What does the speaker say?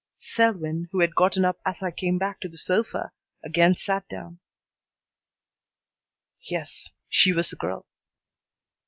Selwyn, who had gotten up as I came back to the sofa, again sat down. "Yes. She was the girl."